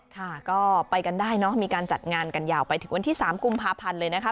ค่ะก็ไปกันได้เนอะมีการจัดงานกันยาวไปถึงวันที่๓กุมภาพันธ์เลยนะคะ